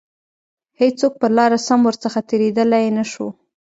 هیڅوک پر لاره سم ورڅخه تیریدلای نه شو.